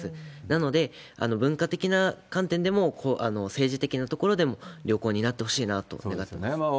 なので、文化的な観点でも、政治的なところでも、良好になってほしいなと願ってます。